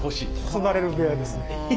包まれる部屋ですね。